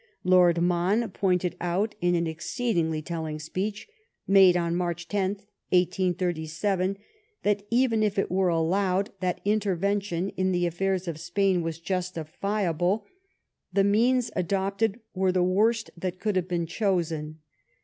Lord Mahon pointed out in an ex ceedingly telling speech, made on March lOth, 1887, that, even if it were allowed that intervention in the affairs of Spain were jastifiabley the means adopted were the worst that could have been chosen.